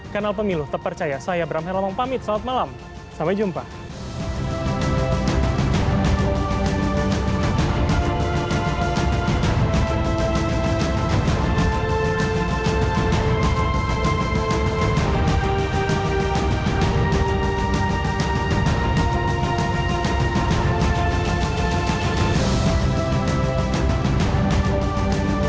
kanal pemilu terpercaya saya bram helamong pamit selamat malam sampai jumpa